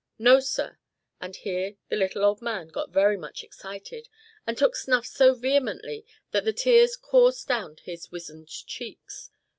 No, sir," and here the little old man got very much excited, and took snuff so vehemently that the tears coursed down his wizened cheeks.